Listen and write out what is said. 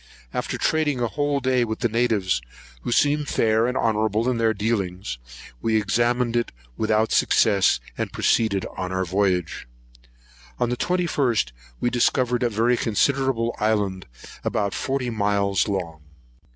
After trading a whole day with the natives, who seemed fair and honourable in their dealings, we examined it without success, and proceeded on our voyage. On the 21st we discovered a very considerable island, of about forty miles long.